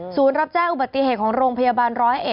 สูงรับแจ้งอุบัติเหตุของโรงพยาบาลร้อยเอ็ด